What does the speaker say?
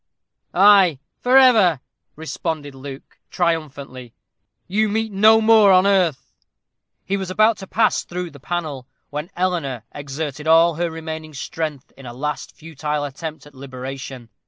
"Ay, for ever," responded Luke, triumphantly. "You meet no more on earth." He was about to pass through the panel, when Eleanor exerted all her remaining strength in a last futile attempt at liberation.